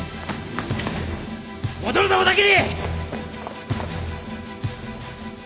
戻るぞ小田切！